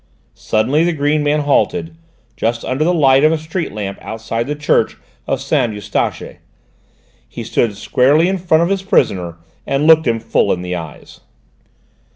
Suddenly the green man halted, just under the light of a street lamp outside the church of Saint Eustache. He stood squarely in front of his prisoner and looked him full in the eyes.